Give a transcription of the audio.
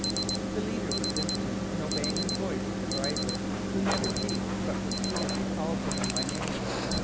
The leader was instant in obeying the voice of the driver, who never beat, but repeatedly called to him by name.